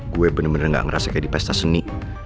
gue bener bener gak ngerasa kayak di pesta seni